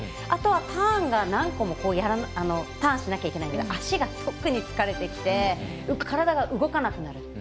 あとは、何個もターンしなきゃいけないので足が特に疲れてきてよく体が動かなくなる。